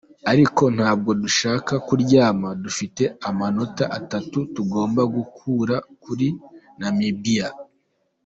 Ariko ntabwo dushaka kuryama, dufite amanota atatu tugomba gukura kuri Namibia.